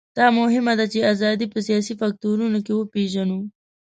دا مهمه ده چې ازادي په سیاسي فکټورونو کې وپېژنو.